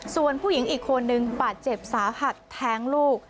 ส่วนผู้หญิงอีกคนนึงบาดเจ็บสาหัสแท้งลูก